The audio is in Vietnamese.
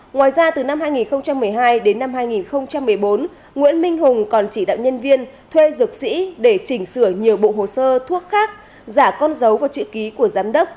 ngoài ra từ năm hai nghìn một mươi hai đến năm hai nghìn một mươi bốn nguyễn minh hùng còn chỉ đạo nhân viên thuê dược sĩ để chỉnh sửa nhiều bộ hồ sơ thuốc khác giả con dấu và chữ ký của giám đốc